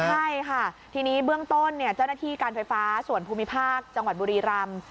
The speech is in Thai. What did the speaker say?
ใช่ค่ะทีนี้เบื้องต้นเจ้าหน้าที่การไฟฟ้าส่วนภูมิภาคจังหวัดบุรีรำ